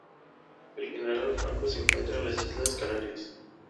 El general Franco se encuentra en las islas Canarias.